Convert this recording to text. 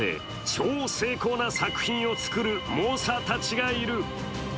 超精巧な作品を作る猛者たちがいる。